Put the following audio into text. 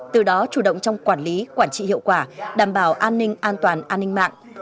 từ đó chủ động trong quản lý quản trị hiệu quả đảm bảo an ninh an toàn an ninh mạng